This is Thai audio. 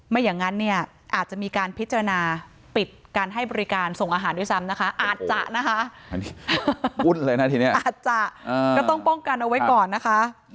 อย่างนั้นเนี่ยอาจจะมีการพิจารณาปิดการให้บริการส่งอาหารด้วยซ้ำนะคะอาจจะนะคะวุ่นเลยนะทีนี้อาจจะก็ต้องป้องกันเอาไว้ก่อนนะคะ